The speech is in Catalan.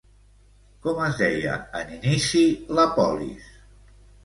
Com es deia en inici la polis?